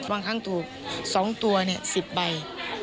บางครั้งถูก๒ตัว๑๐ใบ